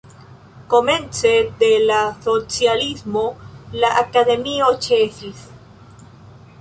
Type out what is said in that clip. Komence de la socialismo la akademio ĉesis.